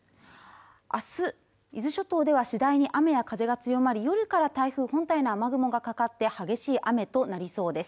あす伊豆諸島では次第に雨や風が強まり夜から台風本体の雨雲がかかって激しい雨となりそうです